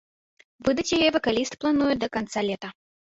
Выдаць яе вакаліст плануе да канца лета.